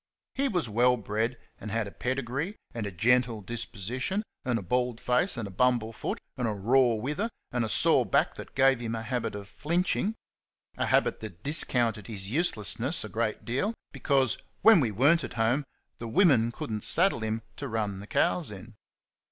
He was well bred, and had a pedigree and a gentle disposition, and a bald face, and a bumble foot, and a raw wither, and a sore back that gave him a habit of "flinching" a habit that discounted his uselessness a great deal, because, when we were n't at home, the women could n't saddle him to run the cows in.